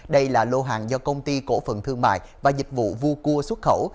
đây là lô hàng do công ty cổ phần thương mại và dịch vụ vua cua xuất khẩu